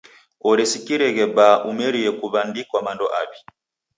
Oresikireghe baa umeria kuw'andikwa mando aw'i.